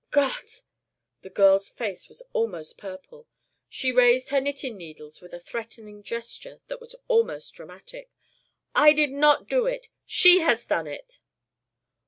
"Gott!" The girl's face was almost purple. She raised her knitting needles with a threatening gesture that was almost dramatic. "I did not do it. She has done it."